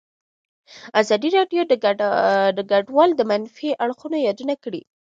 ازادي راډیو د کډوال د منفي اړخونو یادونه کړې.